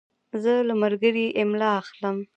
زه له ملګري املا اخلم.